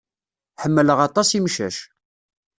Ḥemmleɣ aṭas imcac.